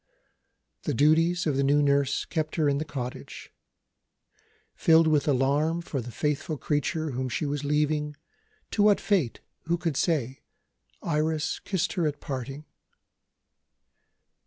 The duties of the new nurse kept her in the cottage. Filled with alarm for the faithful creature whom she was leaving to what fate, who could say? Iris kissed her at parting.